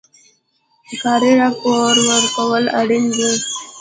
کاري راپور ورکول اړین دي